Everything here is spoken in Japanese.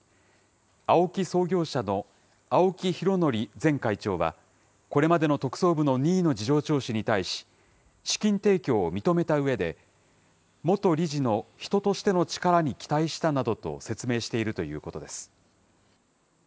創業者の青木拡憲前会長は、これまでの特捜部の任意の事情聴取に対し、資金提供を認めたうえで、元理事の人としての力に期待したなどと説明しているということです。